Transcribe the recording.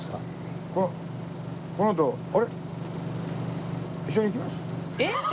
このあとあれ？